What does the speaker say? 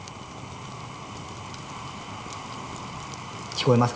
聞こえますかね。